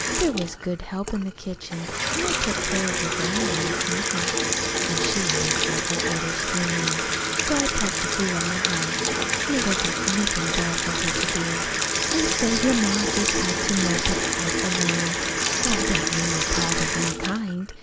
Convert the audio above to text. There was good help in the kitchen, an' I took what care of your grandma was needed; an' she always gave her orders through me, so I practically run the house, an' there wasn't anything there for her to do. "An' so your ma just had to mope it out alone. Oh, I don't mean your pa was unkind.